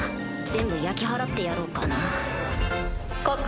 全部焼き払ってやろうかな告。